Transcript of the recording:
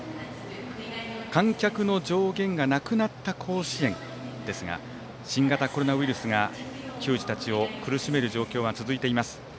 観客の上限がなくなった甲子園ですが新型コロナウイルスが球児たちを苦しめる状況が続いています。